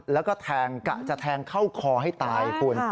แล้วก็แทงกะจะแทงเข้าคอให้ตายคุณ